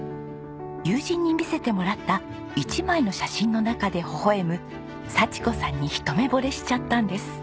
友人に見せてもらった１枚の写真の中でほほ笑む佐智子さんに一目ぼれしちゃったんです。